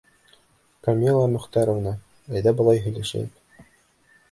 Камила Мөхтәровна, әйҙә былай һөйләшәйек.